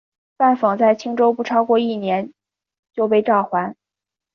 范讽在青州不超过一年就被召还。